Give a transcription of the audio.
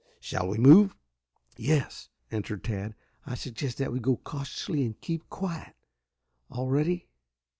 Shall we move?" "Yes," answered Tad. "I suggest that we go cautiously and keep quiet. All ready."